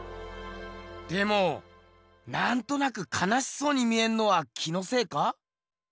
でもなんとなくかなしそうに見えんのは気のせいか？